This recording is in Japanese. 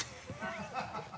ハハハ